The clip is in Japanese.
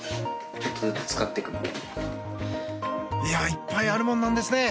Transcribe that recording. いっぱいあるもんなんですね！